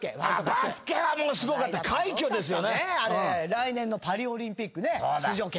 来年のパリオリンピックね出場決定ですから。